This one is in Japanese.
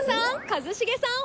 一茂さん！